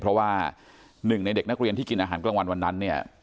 เพราะว่าหนึ่งในเด็กนักเรียนที่กินอาหารกลางวันวันนั้นเนี่ย